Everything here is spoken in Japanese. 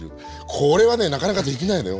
これはねなかなか出来ないのよ